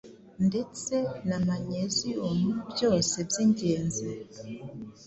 ndetse na magnesium byose by’ingenzi